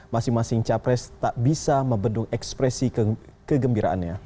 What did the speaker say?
masing masing capres tak bisa membendung ekspresi kegembiraannya